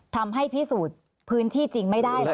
ทำให้พิสูจน์พื้นที่จริงไม่ได้เลย